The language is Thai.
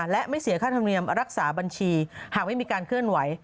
และไม่เสียค่าธรรมเนียมรักษาบัญชีหากไม่มีการเคลื่อนไหว